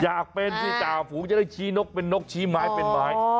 อยากเป็นสิจ่าฝูงจะได้ชี้นกเป็นนกชี้ไม้เป็นไม้